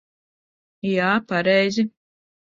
Jā, pareizi.